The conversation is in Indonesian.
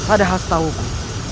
ada khas tahuku